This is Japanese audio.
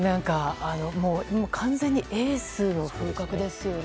完全にエースの風格ですよね。